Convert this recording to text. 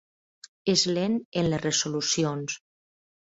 És lent en les resolucions.